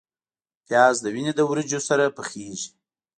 پیاز د وینې د وریجو سره پخیږي